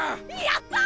やった！